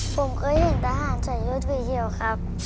ผมเคยเห็นทหารใส่รูปที่เฮียวครับ